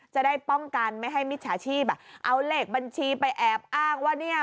จะได้ป้องกันไม่ให้มิจฉาชีพอ่ะเอาเลขบัญชีไปแอบอ้างว่าเนี่ย